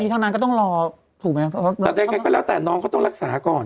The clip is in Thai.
ทั้งนั้นก็ต้องรอถูกไหมครับแต่น้องเขาต้องรักษาก่อน